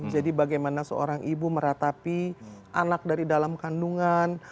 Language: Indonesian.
jadi bagaimana seorang ibu meratapi anak dari dalam kandungan